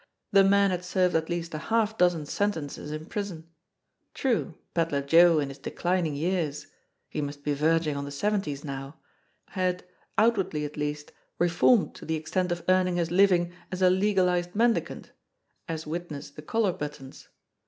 The man had served at least a half dozen sentences in prison. True, Ped ler Joe in his declining years he must be verging on the seventies now had, outwardly at least, reformed to the extent of earning his living as a legalised mendicant, as wit ness the collar buttons.